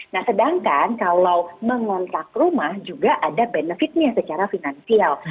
nah sedangkan kalau mengontak rumah juga ada benefitnya secara finansial